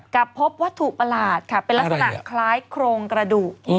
กับพบวัตถุประหลาดค่ะเป็นลักษณะคล้ายโครงกระดูก